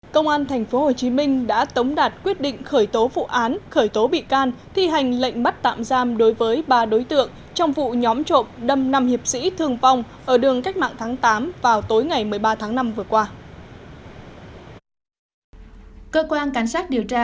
công an tp hcm đã tống đạt quyết định khởi tố vụ án khởi tố bị can thi hành lệnh bắt tạm giam đối với ba đối tượng trong vụ nhóm trộm đâm năm hiệp sĩ thương vong ở đường cách mạng tháng tám vào tối ngày một mươi ba tháng năm vừa qua